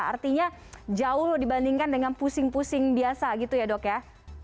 artinya jauh dibandingkan dengan pusing pusing biasa gitu ya dok ya